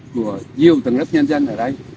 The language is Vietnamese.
của nhiều tầng lớp nhân dân ở đây